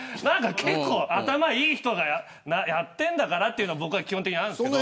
結構頭いい人がやってんだからっていうの僕は基本的にあるんですけど。